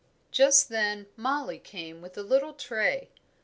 Just then Mollie came with a little tray.